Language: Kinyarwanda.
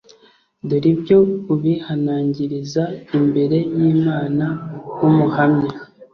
dore ibyo ubihanangiriza imbere y’imana nk umuhamya